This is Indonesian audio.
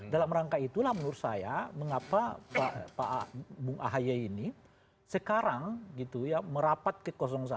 dalam rangka itulah menurut saya mengapa pak bung ahaya ini sekarang merapat ke satu